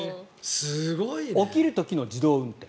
起きる時の自動運転。